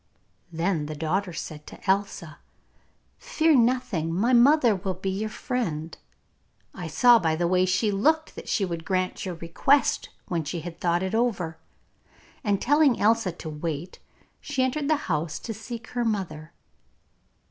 Then the daughter said to Elsa, 'Fear nothing, my mother will be your friend. I saw by the way she looked that she would grant your request when she had thought over it,' and, telling Elsa to wait, she entered the house to seek her mother.